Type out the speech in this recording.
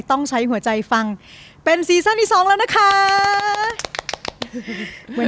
โรงพยาบาลพญาไทย